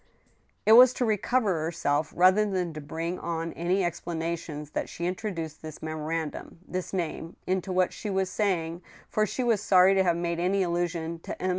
It was to recover herself rather than to bring on any expira tions that she introduced this memorandum, this name, into what she was saying, for she was sorry to have made any allusion to M.